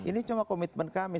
ini cuma komitmen kami